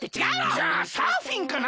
じゃあサーフィンかな？